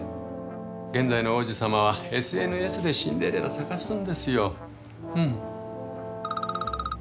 現代の王子様はＳＮＳでシンデレラ捜すんですよ。